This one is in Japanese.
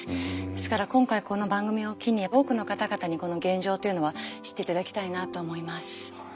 ですから今回この番組を機に多くの方々にこの現状というのは知って頂きたいなと思います。